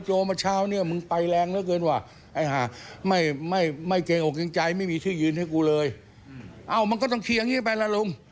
ฉอก่ำกันใจไม่มีชื่อยืนให้กูเลยเอามันก็ต้องเคียงงี้ไปละรุม